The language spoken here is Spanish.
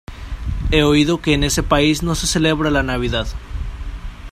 He oído que en ese país no se celebra la Navidad.